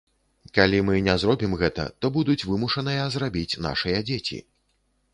Калі мы не зробім гэта, то будуць вымушаныя зрабіць нашыя дзеці.